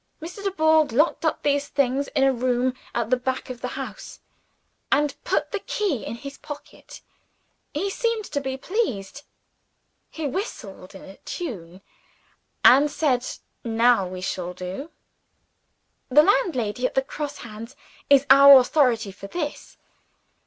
Mr. Dubourg locked up these things in a room at the back of the house, and put the key in his pocket. He seemed to be pleased he whistled a tune, and said, 'Now we shall do!' The landlady at the Cross Hands is our authority for this.